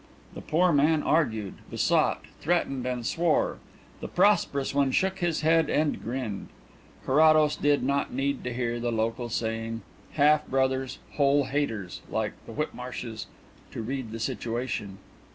The poor man argued, besought, threatened and swore; the prosperous one shook his head and grinned. Carrados did not need to hear the local saying: "Half brothers: whole haters; like the Whitmarshes," to read the situation.